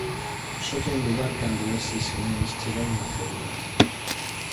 Só ten lugar cando eses sinais chegan á célula.